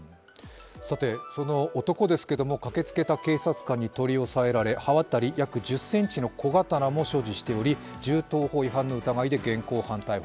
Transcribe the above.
その男ですけれども、駆けつけた警察官に取り押さえられ刃渡り約１０ｃｍの小刀も所持しており、銃刀法違反の疑いで現行犯逮捕。